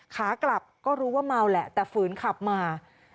ขากลับก็รู้ว่าเมาแหละแต่ฝืนขับมา